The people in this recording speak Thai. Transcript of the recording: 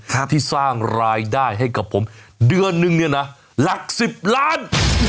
ที่สร้างรายได้ให้กับผมเดือนนึงเนี่ยนะหลักสิบล้าน